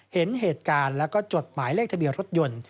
เห็นเหตุการณ์แล้วก็จดหมายเลขทะเบียนรถยนต์